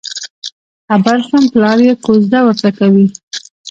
خبر شوم پلار یې کوزده ورته کوي.